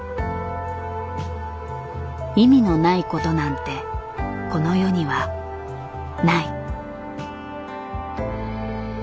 意味のない事なんてこの世にはない。